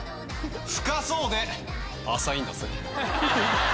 深そうで浅いんだぜ